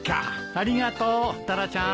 ありがとうタラちゃん。